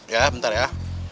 ya bentar ya